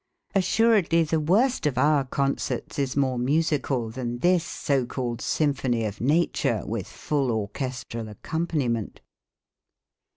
Assuredly the worst of our concerts is more musical than this so called symphony of nature with full orchestral accompaniment.